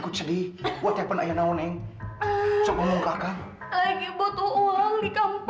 mukanya perasan gua kenal